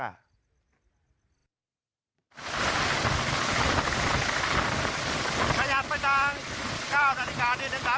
ขยับไปทาง๙นาฬิกานิดนึงครับขยับไปทาง๙นาฬิกานิดนึงครับ